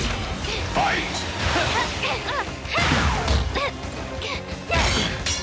うっ！